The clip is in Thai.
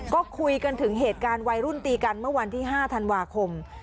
ก็คุยกันถึงเหตุการณ์วัยรุ่นตีกันเมื่อวันที่๕ธันวาคม